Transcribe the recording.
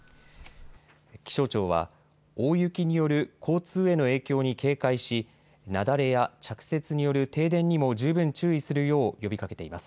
気象庁は大雪による交通への影響に警戒し雪崩や着雪による停電にも十分注意するよう呼びかけています。